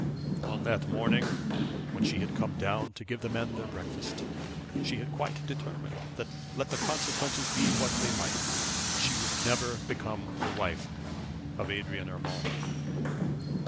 On that morning, when she came down to give the men their breakfast, she had quite determined that let the consequences be what they might she would never become the wife of Adrian Urmand.